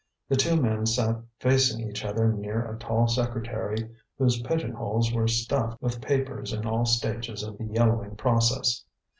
The two men sat facing each other near a tall secretary whose pigeonholes were stuffed with papers in all stages of the yellowing process.